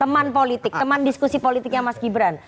teman politik teman diskusi politiknya mas gibran